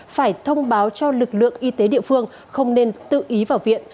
phải thông báo cho lực lượng y tế địa phương không nên tự ý vào viện